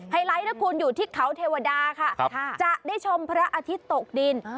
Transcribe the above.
ไลท์นะคุณอยู่ที่เขาเทวดาค่ะจะได้ชมพระอาทิตย์ตกดิน